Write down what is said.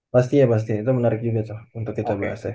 pasti ya pasti ya itu menarik juga